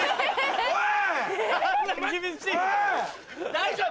大丈夫？